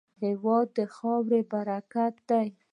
هېواد د خاورې برکت دی.